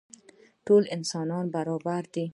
ټول انسانان برابر دي.